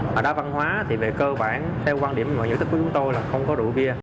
mà đa văn hóa thì về cơ bản theo quan điểm mà nhận thức của chúng tôi là không có rượu bia